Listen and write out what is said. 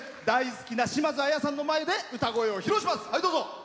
大好きな島津亜矢さんの前で歌声を披露します。